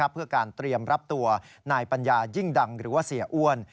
เพื่อการเตรียมรับตัวนายปัญญายิ่งดังหรือว่าเสียอ้วน